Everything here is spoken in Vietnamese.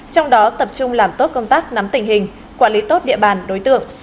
trong đó tập trung làm tốt công tác nắm tình hình quản lý tốt địa bàn đối tượng